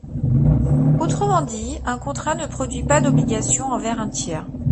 Autrement dit, un contrat ne produit pas d’obligations envers un tiers.